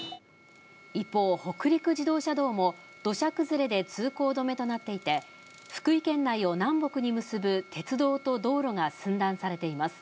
一方、北陸自動車道も土砂崩れで通行止めとなっていて、福井県内を南北に結ぶ鉄道と道路が寸断されています。